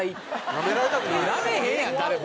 ナメへんやん誰も。